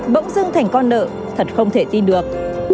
bỗng dưng thành con nợ thật không thể tin được